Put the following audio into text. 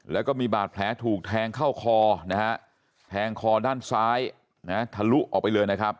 แล้วก็มีบาดแผลถูกแทงเข้าคอนะฮะแทงคอด้านซ้ายนะฮะทะลุออกไปเลยนะครับ